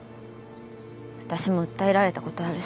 私も訴えられた事あるし。